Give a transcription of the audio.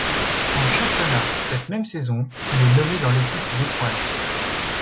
En championnat, cette même saison, il est nommé dans l'équipe d'étoiles.